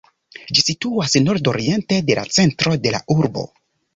Ĝi situas nordoriente de la centro de la urbo.